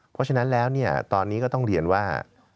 เพราะฉะนั้นแล้วตอนนี้ก็ต้องเรียนว่า